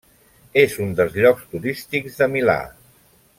És un dels llocs turístics de Milà.